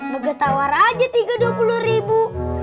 begetawar aja tiga dua puluh ribu